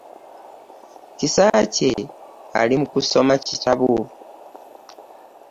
Kisakye ali mukusoma kitabo .